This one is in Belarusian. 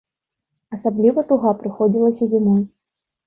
Асабліва туга прыходзілася зімой.